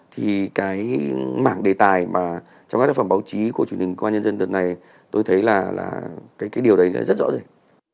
thì cái bảng đề tài mà trong các tác phẩm báo chí của truyền hình công an nhân dân lần này tôi thấy là cái điều đấy rất rõ ràng